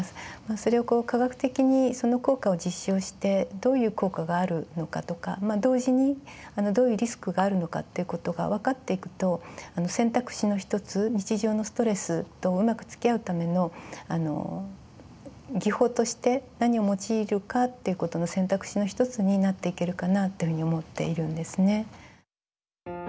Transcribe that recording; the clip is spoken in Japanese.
それをこう科学的にその効果を実証してどういう効果があるのかとか同時にどういうリスクがあるのかということが分かっていくと選択肢の一つ日常のストレスとうまくつきあうための技法として何を用いるかということの選択肢の一つになっていけるかなというふうに思っているんですね。